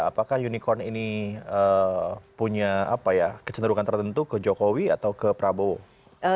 apakah unicorn ini punya kecenderungan tertentu ke jokowi atau ke prabowo